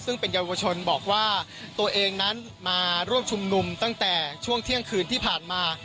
ซึ่งเป็นเยาวชนบอกว่าตัวเองนั้นมาร่วมชุมนุมตั้งแต่ช่วงเที่ยงคืนที่ผ่านมา